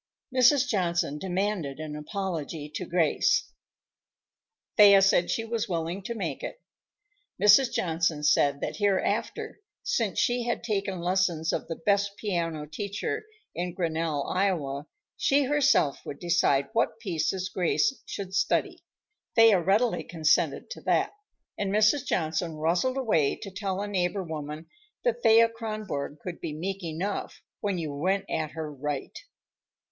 Mrs. Johnson demanded an apology to Grace. Thea said she was willing to make it. Mrs. Johnson said that hereafter, since she had taken lessons of the best piano teacher in Grinnell, Iowa, she herself would decide what pieces Grace should study. Thea readily consented to that, and Mrs. Johnson rustled away to tell a neighbor woman that Thea Kronborg could be meek enough when you went at her right.